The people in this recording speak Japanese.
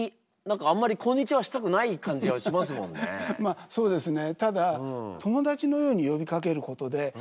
まあそうですね。